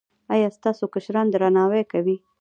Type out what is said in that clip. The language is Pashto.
ایا ستاسو کشران درناوی کوي؟